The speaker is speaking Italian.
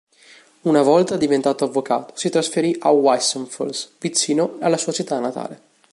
Una volta diventato avvocato si trasferì a Weissenfels, vicino alla sua città natale.